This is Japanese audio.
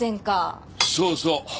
そうそう。